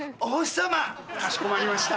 かしこまりました。